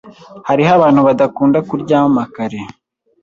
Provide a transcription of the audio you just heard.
Hariho abantu badakunda kuryama kare.